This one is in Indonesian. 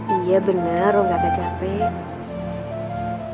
iya bener lo gak capek